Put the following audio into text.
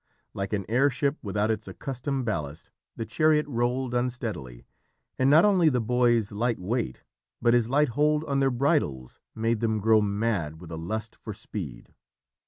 Like an air ship without its accustomed ballast, the chariot rolled unsteadily, and not only the boy's light weight but his light hold on their bridles made them grow mad with a lust for speed.